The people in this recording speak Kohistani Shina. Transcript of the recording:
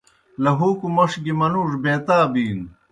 لہُوکوْ موْݜ گیْ منُوڙوْ بیتا بِینوْ۔